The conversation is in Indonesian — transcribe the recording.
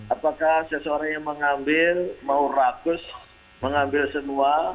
apakah seseorang yang mengambil mau rakus mengambil semua